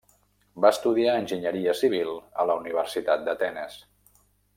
Va estudiar enginyeria civil a la Universitat d'Atenes.